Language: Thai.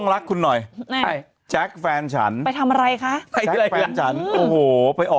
ไม่จริงไหมดี